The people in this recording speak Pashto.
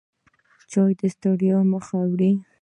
چای ستړیا له منځه وړي.